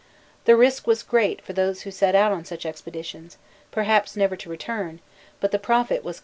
The risk was great for those who set out on such expeditions, perhaps never to return, but the profit was considerable.